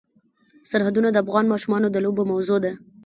سرحدونه د افغان ماشومانو د لوبو موضوع ده.